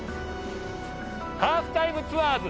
『ハーフタイムツアーズ』。